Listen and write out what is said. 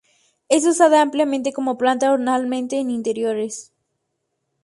Es usada ampliamente como planta ornamental en interiores.